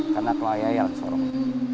karena kelayakan seorang